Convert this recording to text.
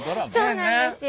そうなんですよ。